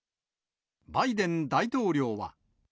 バイデン大統領は。